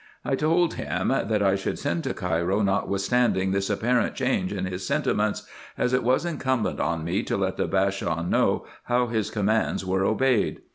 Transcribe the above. I told him, that I should send to Cairo notwithstanding this apparent change in his sentiments ; as it was incumbent on me to let the Bashaw know how his commands were obeyed.